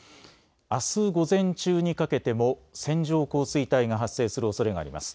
あす午前中にかけても線状降水帯が発生するおそれがあります。